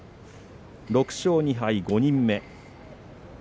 ６勝２敗、５人目。